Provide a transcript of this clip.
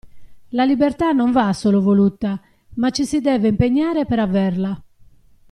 La libertà non va solo voluta, ma ci si deve impegnare per averla!